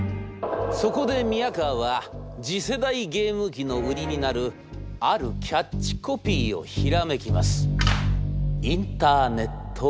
そこで宮河は次世代ゲーム機の売りになるあるキャッチコピーをひらめきます」。